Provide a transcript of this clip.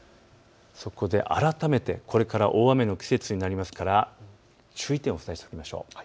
改めてこれから大雨の季節になりますから、注意点をお伝えしておきましょう。